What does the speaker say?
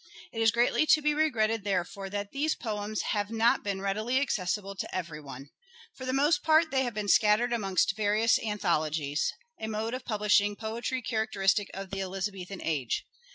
It is greatly to be regretted, therefore, that these poems have not been readily accessible to every one. For the most part they have been scattered amongst various anthologies ; a mode of publishing poetry characteristic of the Elizabethan age.